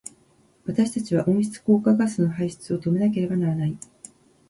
私たちは温室効果ガスの排出を止めなければならない。